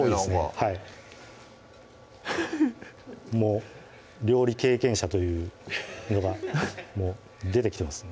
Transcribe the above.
はいもう料理経験者というのが出てきてますね